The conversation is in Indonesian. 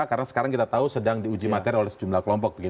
karena sekarang kita tahu sedang diuji materi oleh sejumlah kelompok